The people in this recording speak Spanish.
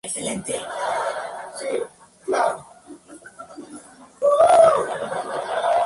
Es esto lo que salvó al edificio del abandono y de la destrucción.